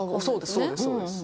そうです